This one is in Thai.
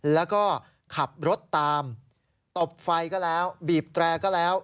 แล้วก็ขับรถตามตบไฟก็แล้วบีบแตรก็แล้ว